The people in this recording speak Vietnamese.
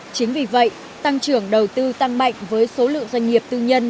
chính vì vậy tăng trưởng đầu tư tăng mạnh với số lượng doanh nghiệp tư nhân